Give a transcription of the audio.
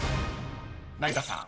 ［成田さん